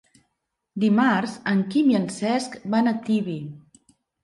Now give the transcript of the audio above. Dimarts en Quim i en Cesc van a Tibi.